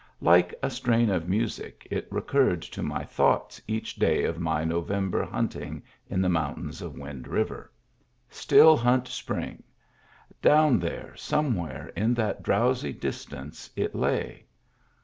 Like a strain of music it re curred to my thoughts each day of my November hunting in the mountains of Wind River. Still Hunt Spring; down there, somewhere in that drowsy distance, it lay.